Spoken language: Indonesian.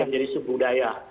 dia menjadi sub budaya